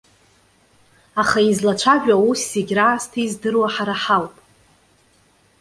Аха излацәажәо аус зегьы раасҭа издыруа ҳара ҳауп.